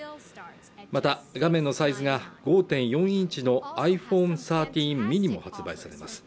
また画面のサイズが５．４インチのｉＰｈｏｎｅ１３ｍｉｎｉも発売されます